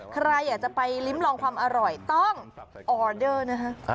ใครอยากจะไปลิ้มลองความอร่อยต้องออเดอร์นะฮะ